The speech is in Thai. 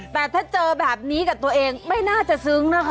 แต่ถ้าเจอแบบนี้กับตัวเองไม่น่าจะซึ้งนะคะ